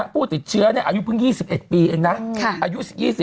ผู้ติดเชื้ออายุเพิ่ง๒๑ปีเองนะอายุ๒๐